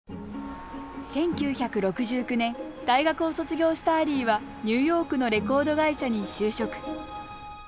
１９６９年大学を卒業したアリーはニューヨークのレコード会社に就職。